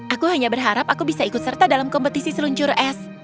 aku hanya berharap aku bisa ikut serta dalam kompetisi seluncur es